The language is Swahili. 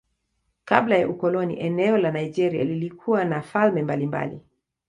Kabla ya ukoloni eneo la Nigeria lilikuwa na falme mbalimbali.